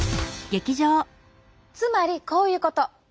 つまりこういうこと。